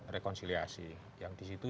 rekonsiliasi yang disitu